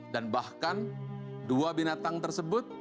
dan bahkan dua binatang tersebut